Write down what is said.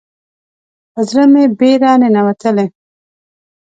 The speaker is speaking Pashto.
په زړه مې بیره ننوتلې